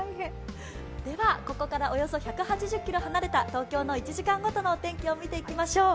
ここからおよそ１８０ｋｍ離れた東京の１時間ごとのお天気を見ていきましょう。